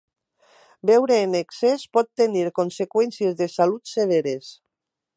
Beure en excés pot tenir conseqüències de salut severes.